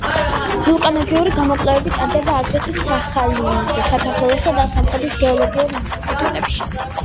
ვულკანოლოგიური გამოკვლევები ტარდება აგრეთვე სახალინზე, საქართველოსა და სომხეთის გეოლოგიურ ინსტიტუტებში.